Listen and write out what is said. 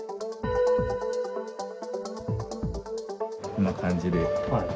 こんな感じで。